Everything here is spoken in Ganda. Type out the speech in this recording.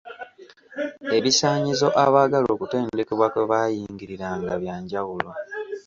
Ebisaanyizo abaagala okutendekebwa kwe baayingiriranga bya njawulo.